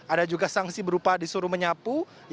ada juga sanksi berupa disuruh menyapu